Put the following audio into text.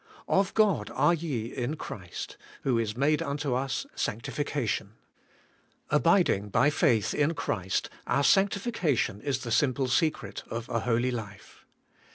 Of God are ye in Christ, who is made unto us sanctification. Abiding by faith in Christ our sanctification is the simple secret of a holy life.